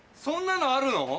そんなのあるの？